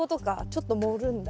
ちょっと盛るんだ。